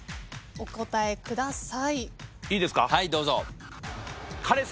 お答えください。